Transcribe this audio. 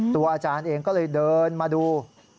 อาจารย์เองก็เลยเดินมาดู